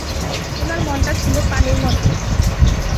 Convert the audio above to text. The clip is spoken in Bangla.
উনার মনটা ছিল পানির মতো।